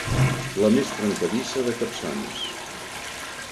La més trencadissa de Capçanes.